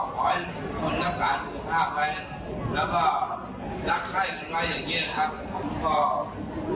พี่น้องนะจะไปดื่มอาวุธตรงนี้ใครจะไปรู้